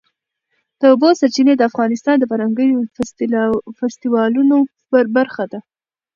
د اوبو سرچینې د افغانستان د فرهنګي فستیوالونو برخه ده.